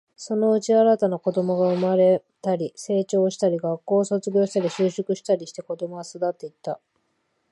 そのうち、新たな子供が生まれたり、成長したり、学校を卒業したり、就職したりして、子供は巣立っていった